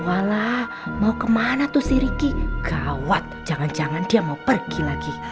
walau mau kemana tuh si ricky gawat jangan jangan dia mau pergi lagi